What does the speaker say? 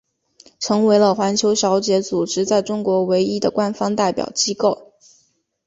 成为了环球小姐组织在中国唯一的官方代表机构。